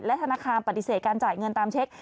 ธนาคารปฏิเสธการจ่ายเงินตามเช็ค